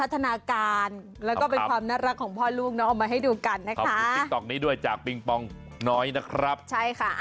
หนูฝึกเดินก่อนไหมลูก